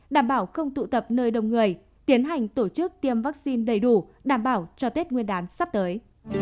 đảm bảo không tụ tập nơi đông người tiến hành tổ chức tiêm vaccine đầy đủ đảm bảo cho tết nguyên đán sắp tới